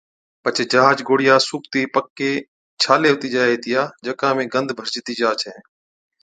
پڇي جيهچ گوڙهِيا سُوڪتي پڪي ڇالي هُتِي جائي هِتِيا ، جڪا ۾ گند ڀرجتِي جا ڇَي